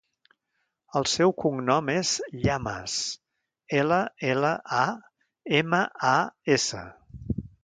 El seu cognom és Llamas: ela, ela, a, ema, a, essa.